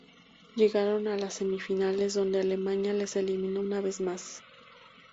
Llegaron a las semifinales, donde Alemania les eliminó una vez más.